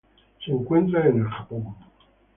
Se encuentran en el Japón.